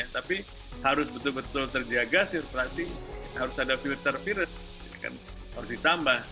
tapi harus betul betul terjaga sirkulasi harus ada filter virus harus ditambah